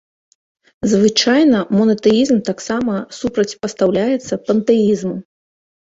Звычайна монатэізм таксама супрацьпастаўляецца пантэізму.